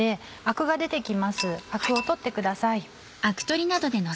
アクを取ってください。